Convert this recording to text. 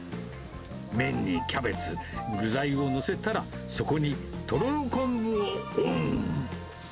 麺にキャベツ、具材を載せたら、そこにとろろ昆布をオン。